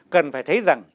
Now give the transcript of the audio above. cần phải thấy rằng